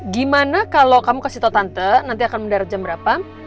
gimana kalau kamu kasih tau tante nanti akan mendarat jam berapa